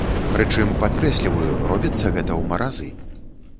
Прычым, падкрэсліваю, робіцца гэта ў маразы.